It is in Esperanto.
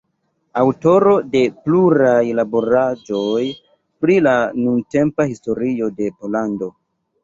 Aŭtoro de pluraj laboraĵoj pri la nuntempa historio de Pollando.